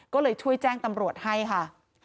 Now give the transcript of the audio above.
ก็เลยช่วยแจ้งตำรวจให้ค่ะ